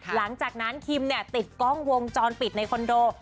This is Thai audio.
หลังจากนั้นคิมเนี่ยติดกล้องวงจรปิดในคอนโด